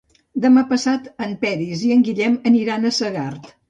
Demà passat en Peris i en Guillem aniran a Segart.